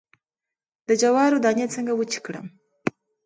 د جوارو دانی څنګه وچې کړم؟